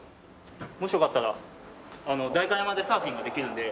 もしよかったら代官山でサーフィンができるので。